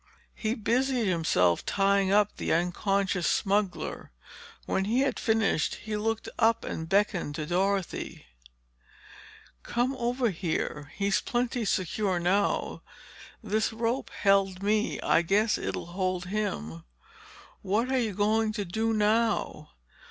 He busied himself tying up the unconscious smuggler. When he had finished, he looked up and beckoned to Dorothy. "Come over here. He's plenty secure now. This rope held me, I guess it'll hold him." "What are you going to do now?"